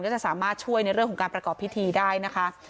จะสามารถช่วยในเรื่องของการประกอบพิธีได้นะคะ